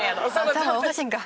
頭おかしいんか？